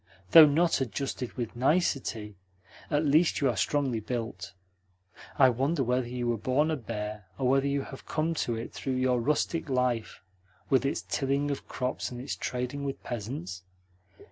Though not adjusted with nicety, at least you are strongly built. I wonder whether you were born a bear or whether you have come to it through your rustic life, with its tilling of crops and its trading with peasants?